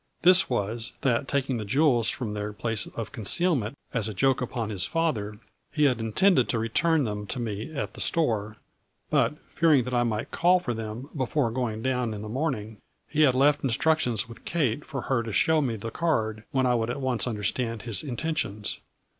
This was, that taking the jewels from their place of concealment as a joke upon his father, he had intended to return them to me at the store, but, fearing that I might call for them before going down in the morning, he had left instructions with Kate for her to show me the card when I would at once understand his intentions.